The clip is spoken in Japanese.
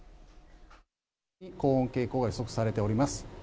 高温傾向が予測されております。